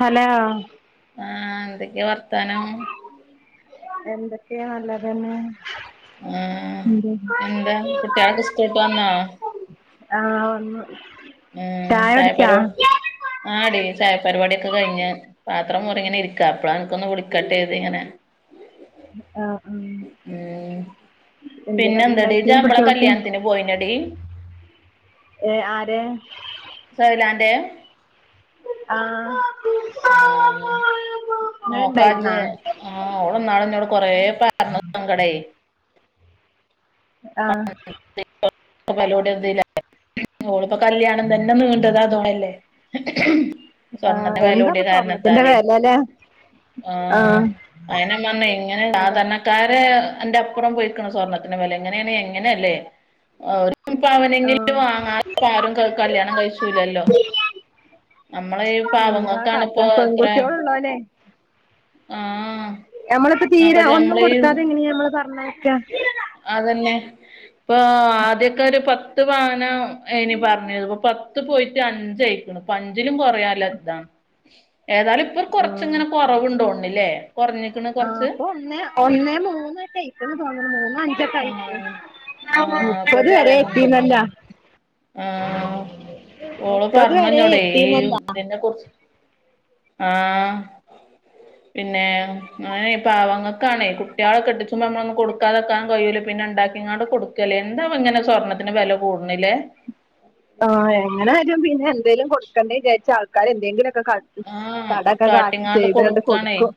Hello ആഹ് എന്തൊക്കയാ വർത്താനം എന്തൊക്കെയാ നല്ലതന്നെ ആഹ് ഉത എന്താ കുട്ടികളൊക്കെ സ്കൂളിട്ട് വന്നോ [unintelligible] ആഹ് വന്നു മം ചായ കുടിച്ചാ ചായപ്പരുവ ആടി ചായ പരിപാടിക്കെ കഴിഞ്ഞ് പാത്രം മോറി ഇങ്ങനെ ഇരിക്കാ അപ്പളാ അൻക്കൊന്ന് വിളിക്കട്ടെ കേരുതി ഇങ്ങനെ ഉ [unintelligible] ആഹ് ആഹ് എന്തെ പിന്നെ എന്താടി കടിണ്ടാക്കിയെ ഇജ്ജ് നമ്മളെ കുട്ടിയോൾക്ക്? കല്യാണത്തിന് പോയിനടി ഏഹ് ആരേ? സഹ് ലാന്റെ ആഹ് ആഹ് [unintelligible] ഇങ്ങള് ഇണ്ടായിരുന്നാ ആഹ് അവളിന്നാള് ന്നോട് കൊറേ പറഞ്ഞ് സങ്കടേയ്. ആഹ് [inaudible] ഓള് പ്പോ കല്യാണം തന്നെ നീണ്ടത് അതോണ്ടല്ലേ. ആഹ് സ്വർണത്തിനു വില കൂടിയ എന്താപ്പൊ സ്വർണ്ണത്തിന്റെ കാരണത്താല് വെലല്ലേ ആഹ് [unintelligible] എന്താ [unintelligible] അന്റെ അപ്പുറം പോയിക്ണ് സ്വർണത്തിന്റെ വില എങ്ങനെയാണ് എങ്ങനെയല്ലേ? ഒരു ആഹ് പവനെങ്കിലും വാങ്ങാതെ ആരും കല്യാണം കഴിച്ചൂലല്ലോ? നമ്മളെ ഈ എന്താ പാവങ്ങൾക്കാണ് ഇപ്പോ കാട്ടാ ഇത്ര പെൺകുട്ടിയോൾ ഉള്ളോനെ ആ നമ്മളിപ്പോ നോക്ക തീരെ ഒന്നും നമ്മള് ഈ കൊടുക്കാതെ എങ്ങനെയാ നമ്മള് പറഞ്ഞയക്ക? അതന്നെ ഇപ്പൊ ആദ്യക്കെ ഒരു പത്ത് പത്ത്പവനാ അയിന് പറഞ്ഞത് പ്പോ പത്ത് പോയിട്ട് അഞ്ചയിക്ക്ണ്. പ്പഞ്ചിലും കുറയല്ല ത്താ ഏതാലും ഇപ്പൊ ആഹ് കൊറച്ചിങ്ങനെ കൊറവുണ്ടോണ്. ആണ്ല്ലേ കൊറഞ് ആഹ് പ്പൊ ഒന്നേ ഒന്നേ മൂന്നരായി ഒരു പവന് മൂന്ന് അ ആഹ് [unintelligible] ആഹ് ഇപ്പൊ മുപ്പത് വരെ പറയണണ്ട് എത്തിന്നല്ലോ ആഹ് ഓള് മുപ്പത് പറഞ് വരെ ന്നോടെ ഏയ് എത്തീന്നല്ല തിനെ കുറിച്ച് ആഹ് പിന്നെ ങ ഈ പാവങ്ങക്കാണെ കുട്ടികളെ കെട്ടിച്ചുമ്പോ ഒന്നും കൊടുക്കാതെക്കാൻ കഴയൂല്ല പിന്നെ ഉണ്ടാക്കി പിന്നോട് കൊടുക്കല്ലേ എന്താവും ഇങ്ങനെ സ്വർണ്ണത്തിന് വില കൂടുന്നില്ലേ? [inaudible] ആഹ് എങ്ങനാലും പിന്നെ എന്തേലും കൊടുക്കണ്ടെ വിചാരിച് ആൾക്കാർ എന്തെങ്കിലുംക്കെകാട്ടും ആഹ് കടകട ആക്കി കാട്ടിങ്ങാണ്ട് ചെയ്താണ്ട് കൊടുക്കാണേ കൊടുക്കും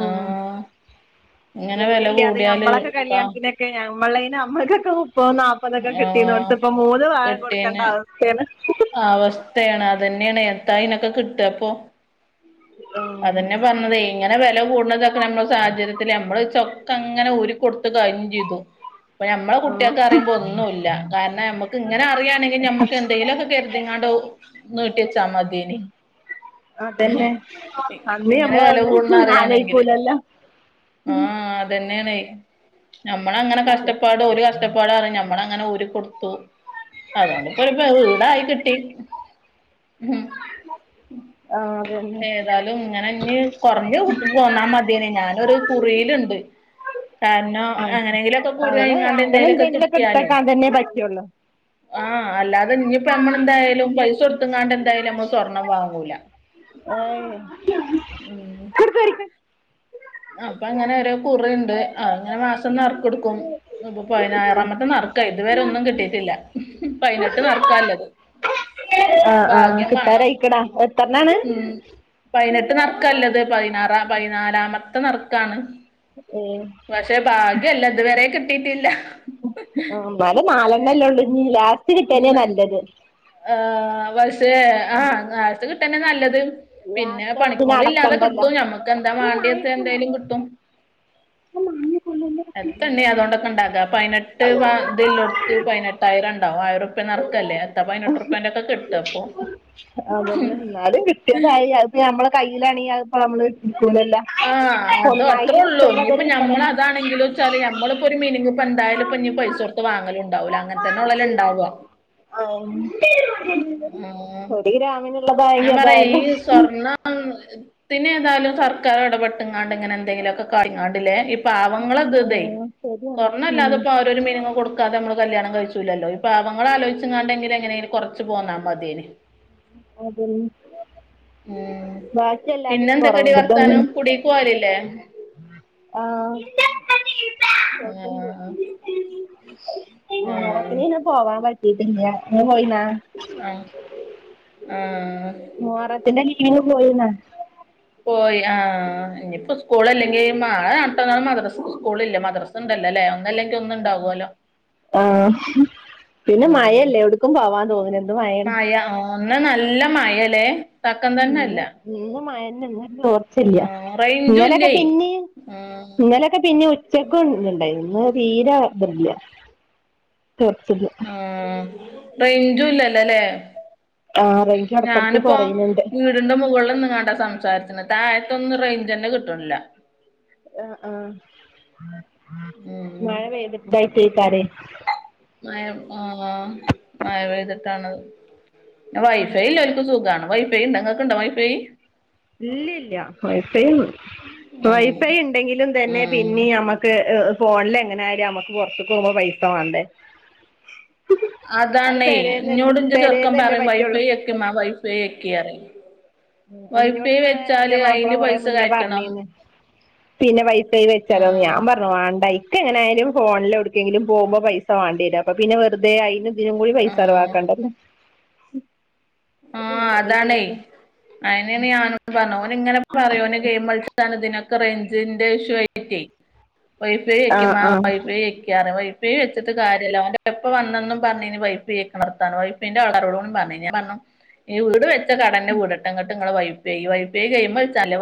ആഹ് ഇങ്ങനെ വില ഒന്നില്ലാതെ കൂടിയാല് ഞമ്മളൊക്കെ ഇപ്പ കല്യാണത്തിനൊക്കെ ഞമ്മളെന് നമ്മക്കൊക്കെ മുപ്പതും നാപ്പ പ്പതോക്കെ ആഹ് കിട്ടീനോട്ത്ത് ഇപ്പം മൂന്ന് പവൻ കൊടുക്കേണ്ട കെട്ടീന് അവസ്ഥയാണ്. അവസ്ഥയാണ് അതന്നെയാണ് എ ത്താ ഇനൊക്കെ കിട്ട ഇപ്പൊ? ആ അതന്നെ പറഞ്ഞതേ ഇങ്ങനെ വില കൂടുന്നതൊക്കെ നമ്മള സാഹചര്യത്തിത്തില് നമ്മള് ചൊക്ക അങ്ങനെ ഊരി കൊടുത്തു കഴിഞ്ഞും ചെയ്തു. ഇപ്പൊ മ്മളെ ആ കുട്ടിയൊക്കെ അറിയുമ്പോ ഒന്നുമല്ല കാരണം ഞമ്മുക്ക് ഇങ്ങനെ അറിയയാണെങ്ക നമ്മക്ക് എന്തെങ്കിലുമൊക്കെ കരുതിങ്ങാണ്ടോ നൂറ്റിച്ചമ്മതീന് അതല്ലെ ഇങ്ങനെ വില കൂടന്ന അറിയണെങ്കില് ആലോയിക്കൂലല്ലോ ആഹ് അതന്നെയാണെ ഞമ്മള അങ്ങനെ കഷ്ടപ്പാട് ഒരു കഷ്ടപ്പാട അറി നമ്മള അങ്ങനെ ഊരിക്കൊടു പ്പൊ അതുകൊണ്ടിപ്പൊ ഇപ്പൊ വീടായി കിട്ടി ഹ്മ് ആഹ അത് തന്നെ ഇത് ഇങ്ങനെ ഇനി കുറഞ്ഞു- പോന്നാ മതിനു ഞാനൊരു കുറിയിലുണ്ട്. കാരണം, ആ അങ്ങനെങ്കിലുംക്കെ കുറി അങ്ങനെ കടിഞ്ഞാണ്ട് അങ്ങനെ എന്തേലുമൊക്കെ എന്തെങ്കിലുമൊക്കെ കിട്ടിയാലേ. എടുത്തേക്കാൻ തന്നെ പറ്റുള്ളൂ ആഹ് അല്ലാതെ ഇനിയിപ്പോ നമ്മളെന്തായാലും പൈസൊട് ത്തെങ്ങാണ്ട് എന്തായാലും നമ്മള് സ്വർണം വാങ്ങൂല ഓ മ്ഹ് അപ്പൊ അങ്ങനെ ഓരോ കുറുണ്ട് അങ്ങനെ മാസം നറുക്കെടുക്കും. ഇപ്പൊ പതിനാറാമത്തെ നറക്ക ഇതുവരെ ഒന്നും കിട്ടിയിട്ടില്ല പതിനെട്ട് നറുക്കാല്ലത് [inaudible] ആഹ് ആഹ് ഭാഗ്യം വേണം കിട്ടാരായിക്കണാ എത്രണ്ണാണ്? ഉം പതിനെട്ട് നറുക്കല്ലത് പതിനാറാം പതിനാലാമത്തെ നറുക്കാണ് ഏഹ് പക്ഷെ ഭാഗ്യല്ല ഇതുവരെ കിട്ടിയിട്ടില്ല. ആഹ് ബല നാലെണ്ണല്ലേ ഉള്ളു നി ലാസ്റ്റ് കിട്ടനേ നല്ലത് ആഹാ വശേ ആഹാ നേരത്തെ കിട്ടന്നെ നല്ലത്. പിന്നെ ലാസ്റ്റ് ആവുമ്പോ പിന്നെ പണിക്കോള ഇല്ലാതെ അടക്കണ്ടല്ലോ കിട്ടും, ഞമ്മക്ക് എന്താ വേണ്ടിയ എന്തായാലും കിട്ടും. [inaudible] എത്തണ്ണീ അതുകൊണ്ടൊക്കെ ഉണ്ടാക്കാ, പതിനെട്ട് ഇതില്ലോട്ത്ത് പതിനെട്ടായിരം ഉണ്ടാവും ആയിരം- റക്കല്ലേ എത്ത പതിനെട്ട് റുപ്പന്റെ- ഒക്കെ കെട്ടാ അപ്പോ, നമ്മള കയ്യിലാണെങ്കിൽ ഇപ്പ നമ്മള്, എടുക്കൂലല്ലോ ആഹ അത ഒന്നായിട്ട് അത്രേ ഉള്ളു കിട്ടുമ്പോ ഇനിയിപ്പോ അതൊരു ഞമ്മള്, കിട്ടലല്ലേ അതാണെങ്കിലും വച്ചാല് ഞമ്മള്, ഇ ഒരു മീനിന് ഇപ്പ എന്തായാലും ഇപ്പ പൈസോടുത്ത്- വാങ്ങലുംണ്ടാവില്ല അങ്ങനെ തന്നെ ഉള്ളല ഉണ്ടാവുക. ആഹാ... ! ആഹ.. ! ഒരു ഗ്രാമീനുള്ളത, ഞൻ പറയാ ഈ സ്വർണം, ആഹാ പിന്നെ ഏതാലും സർക്കാർ ഇടപെട്ട്ങ്ങാണ്ട് ഇങ്ങനെ, എന്തെങ്കിലോക്കെ കാനിങ്ങടലേ. പാവങ്ങളതുതേയ്, ആഹ് ശരിയാണ് ഉം സ്വർണ്ണല്ലാതെ ഇപ്പോ ഓരോ മീനങ് കൊടുക്ക- ക്കാതെമ്മള് കല്യാണം കഴിച്ചൂല്ലല്ലോപ്പോ പാവങ്ങള- ആലോച്ച് ങ്ങാണ്ടെങ്കിലും എങ്ങനെ കുറച്ച് പോന്നാൽ മതേയ്ന്. [inaudible] ഉം ബാക്കി പിന്നെ എല്ലാതിനും എന്തൊക്കെടി വർത്താനം കുടി പോവാലില്ലേ? ആഹാ പോക്ക്ണ്ട്. ആഹ് ആഹ് ഓണത്തിന് പിന്ന പോവാൻ പറ്റിട്ടില്ല, ഇങ്ങള് പോയിന. ആഹാ ആഹാ... ! മോറത്തിന്റെ ലീവിന് പോയിന്. പോയി ആഹാ ഇനിയിപ്പോ, സ്കൂളല്ലെങ്കി മഴ നട്ടന്ന മാത്ര- സ്കൂളില്ല മദ്രസ് ഉണ്ടല്ലോല്ലേ, ഒന്നല്ലെങ്കിൽ ഒന്നുണ്ടാവുവല്ലോ. ആഹാ... ! പിന്നെ മഴയല്ലേ എവിടക്കും പോവാൻ തോന്നുന്ന്, മാഴ ഇന്ന് നല്ല മാഴാല്ലേ. ഉം ഇന്നും മഴ ഇന്നും ചോർച്ചല്ല, ആഹ് റേഞ്ചും ഇങ്ങലൊക്കെ ഇല്ലേ പിന്നെ- ആഹ് ഇന്നലൊക്കെ പിന്നെ ഉച്ചക്കും ഇണ്ടായി ഇന്ന് തീരെ ഇല്ല. [unintelligible] ആഹാ റേഞ്ചും ഇല്ലല്ലോല്ലേ.. ! ആഹാ റേഞ്ച് ഇടക്കിടക്ക് കുറയുന്നുണ്ട്. വിടിന്റെ മുകളിലൊന്നുംങ്ങാണ്ടാ സംസാരിക്കണത്, താഴ്തൊന്നും റേഞ്ച് തന്നെ കിട്ട്നില്ല. ആഹാ ആഹ ഉം മഴ പെയ്തിട്ടയ്ക്കാരെ. ആഹാ ആഹാ മയ പെയ്തിട്ടാണ്. വൈഫൈ എള്ളോല്ക്ക് സുഖമാണ്, വൈഫൈ ഇണ്ട ഇങ്ങക്ക്‌ ഇണ്ടോ വൈഫൈ? ഇല്ലല്ല വൈഫൈ ആഹ് വൈഫൈ ഉണ്ടെങ്കിലും തന്നെ ഉം പിന്നീ നമക്ക്, ഫോണില് എങ്ങനെ ആലും നമ്മക്ക് പുറത്ത്ക്കുമ്പോ പൈസ വേണ്ടേ. അതാണേ എന്നോട് ഇന്റെ ചെറുക്കം പെരേന്നല്ലേ പറയും പറ്റുള്ളൂ വൈഫൈ ഒക് മ്മ വൈഫൈ ഒക്.. ! ഇന്നോട് വൈഫൈ ഇവിടെ എന്റെ വെച്ചാല് മാപ്പിള അയിന് കൊറേ പൈസ മുന്നേ കയറ്റണം. പറഞ്ഞീന്ന് പിന്നെ വൈഫൈ വെച്ചാലോന്ന്, ഉം ഞാൻപറഞ്ഞു വേണ്ട ഇക്ക്- എങ്ങനൊയാലും ഫോണിൽ എടുക്കെങ്കിലും പോകുമ്പോൾ പൈസ. [unintelligible] ഇതിനും കൂടി പൈസ ആഹ് ചെലവാക്കണ്ടാലോ. അയിനെയാണ് ഞാനോട് പറഞ്ഞ ഓന ഇങ്ങനെ പാറയോന് ഗെയിം കളിച്ചാണ് ഇതിനൊക്കെ റേഞ്ചിന്റെ ഇഷ്യൂ. [inaudible] വൈഫൈ ആ വെക്ക്മ്മ... ആ വൈഫൈ വെക്ക്... ! വൈഫൈ വെച്ചട്ട് കാര്യമല്ല ഓന്റെഉപ്പ എപ്പോവന്നെന്നും പറഞ്ഞിന് വൈഫൈ വെക്കാനാർത്താനം. [unintelligible] പറഞ്ഞു ഞാൻ പറഞ്ഞു ഈ വീട് വെച്ച കടന്നെ വീടട്ടെ എന്നിട്ടിങ്ങടെ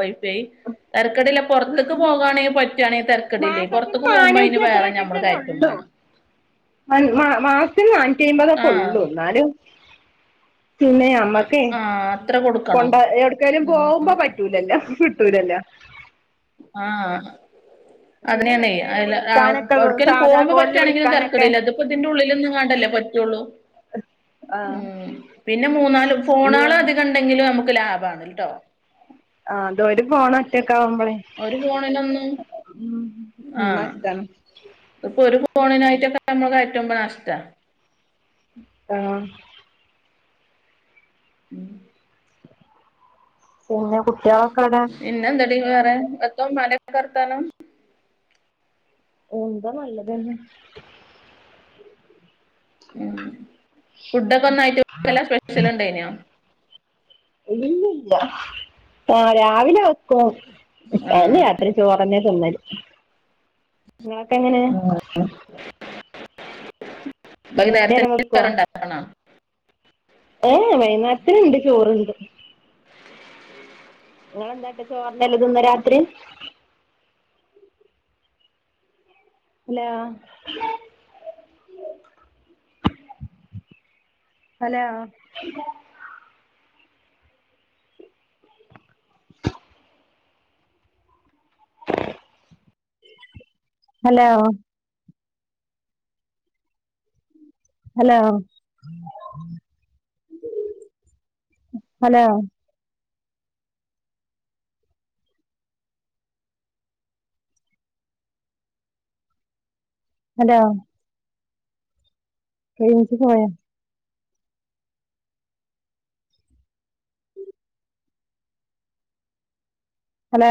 വൈഫൈ. [unintelligible] [unintelligible] പുറത്തേക്ക് പോകുകയാണെങ്കിൽ പറ്റുകയാണെങ്കിൽ തിരക്കടില്ലേ, മാസത്തിന് പുറത്തേക്ക് പോകുമ്പോ അതിന് വേറെ ഞമ്മള് കയറ്റും വേണം. മാസത്തിം നാറ്റി അമ്പതൊക്കെ ആഹ് ഉള്ളൂ എന്നാലും പിന്നെ ആ അമ്മക്കേ ആഹ് അത്ര കൊടുക്കണം കൊണ്ട എവിടക്കാലും ഉം പോകുമ്പോ പറ്റ ട്ടലല്ല ഫട്ടൂലല്ല ആഹ പിന്നെ അതിനെ തന്നെയ്യ എന്തിനേലും വിളിക്കാനൊക്കെ അടക്കനും സാധാ പോകുമ്പോ കോളില് പറ്റിയാണെങ്കിലും വിളിക്കാനൊക്കെ തിറക്കടല്ലത് ഇത്തിതിന്റെ ഉള്ളിൽൊന്നും കാണ്ടല്ലേ പറ്റുള്ളൂ ആഹ് ഉം പിന്നെ മൂന്നാാലും ഫോണാളും അധികം ഉണ്ടെങ്കിലും നമുക്ക് ലാഭ ആണ്ല്ല കേട്ടോ ആ്തോര് പോകണ ഒറ്റൊക്കെ ആവുമ്പോളേ ഒരു ഫോണിലൊന്നു ആഹ എന്നാ ഇഷ്ടാണ് ഇപ്പൊ ഒരു ഫോണിനായിട്ടൊക്കെ നമ്മൾ കയറ്റുമ്പോ നഷ്ടമാണ് ആഹ ഉം പിന്നെ കുട്ടികളൊക്കെ ഇവിടെ എോ മല വർത്തനം ഉന്താ നല്ലതന്നെ ഉ ഫുഡൊക്കെ ഒന്നായിട്ട്ല്ല സ്പെഷ്യൽ ഉണ്ടായിനോ ഇല്ലല്ല ആ രാവിലെ വക്കും ആഹ് അന്നെയ അ ചോറന്നെ തന്നല് നിങ്ങളൊക്കെ എങ്ങനെ വൈ നേരത്തെ രണ്ടേരം വെക്കുവോ വേറണ്ട ഏഹ വയനാട്ടിനുണ്ട് ചോറുണ്ട് നിങ്ങെന്താട്ട ചോറിന്നല്ല തിന്ന് രാത്രി അല്ല അല ഹലോ ഹലോ ഹലോ അതോ കച്ച പോയാ ഹലോ